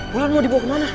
mulan mau dibawa kemana